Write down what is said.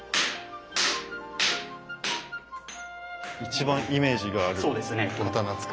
一番イメージがある刀つくる。